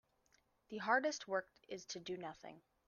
The hardest work is to do nothing.